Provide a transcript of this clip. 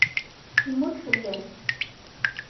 Yemmut fell-as.